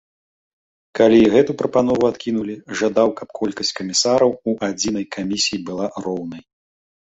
Калі і гэту прапанову адкінулі, жадаў, каб колькасць камісараў у адзінай камісіі была роўнай.